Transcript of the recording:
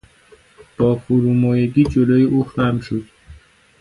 با فرومایگی جلو او خم شد.